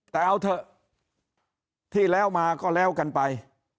แต่เอาเถอะที่แล้วมาก็แล้วกันไป